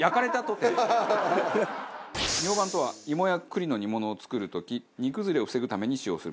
ミョウバンとはイモや栗の煮物を作る時煮崩れを防ぐために使用するもの。